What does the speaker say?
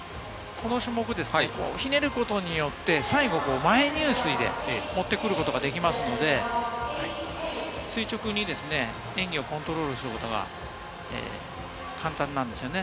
この種目、ひねることによって最後、前入水で持ってくることができますので、垂直に演技をコントロールすることが簡単なんですよね。